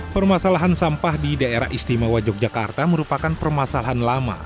permasalahan sampah di daerah istimewa yogyakarta merupakan permasalahan lama